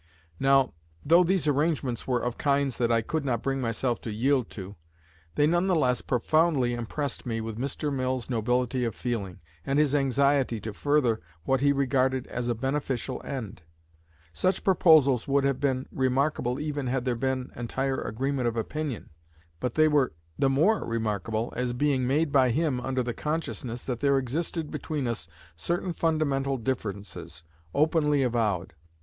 Now, though these arrangements were of kinds that I could not bring myself to yield to, they none the less profoundly impressed me with Mr. Mill's nobility of feeling, and his anxiety to further what he regarded as a beneficial end. Such proposals would have been remarkable even had there been entire agreement of opinion, but they were the more remarkable as being made by him under the consciousness that there existed between us certain fundamental differences, openly avowed.